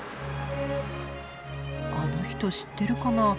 あの人知ってるかな。